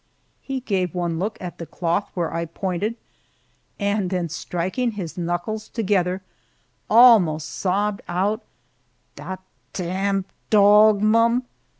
He gave one look at the cloth where I pointed, and then striking his knuckles together, almost sobbed out, "Dot tamn dog, mum!"